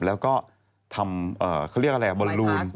แล้วก็ทำบลูน